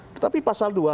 tetapi pasal dua